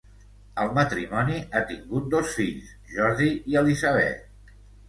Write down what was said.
El matrimoni ha tingut dos fills, Jordi i Elisabet.